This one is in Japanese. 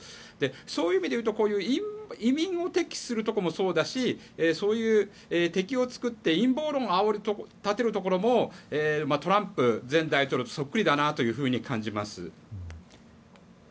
そういう意味で言うと移民を敵視することもそうだしそういう敵を作って陰謀論を煽り立てるところもトランプ前大統領にそっくりだなと感じます。